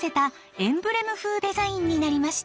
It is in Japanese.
エンブレム風デザインになりました。